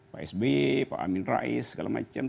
pak s b pak amin rais segala macam